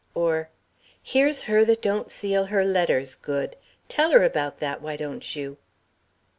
Or, "Here's Her that don't seal her letters good. Tell her about that, why don't you?"